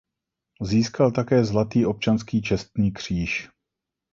Získal také zlatý Občanský čestný kříž.